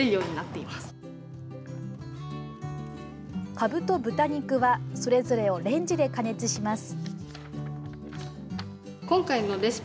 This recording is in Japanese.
かぶと豚肉はそれぞれをレンジで加熱します。